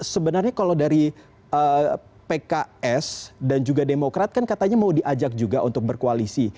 sebenarnya kalau dari pks dan juga demokrat kan katanya mau diajak juga untuk berkoalisi